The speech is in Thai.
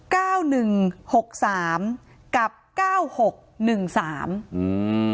เก้าหนึ่งหกสามกับเก้าหกหนึ่งสามอืม